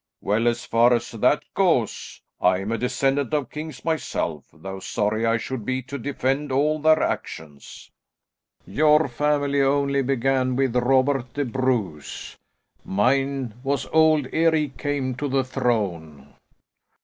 "Well, as far as that goes, I am a descendant of kings myself, though sorry I should be to defend all their actions." "Your family only began with Robert the Bruce; mine was old ere he came to the throne."